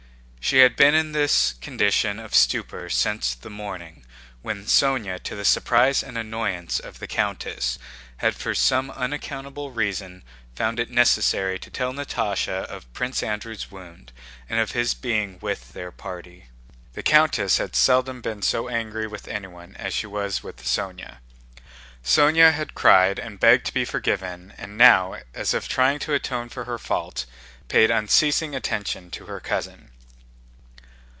She had been in this condition of stupor since the morning, when Sónya, to the surprise and annoyance of the countess, had for some unaccountable reason found it necessary to tell Natásha of Prince Andrew's wound and of his being with their party. The countess had seldom been so angry with anyone as she was with Sónya. Sónya had cried and begged to be forgiven and now, as if trying to atone for her fault, paid unceasing attention to her cousin.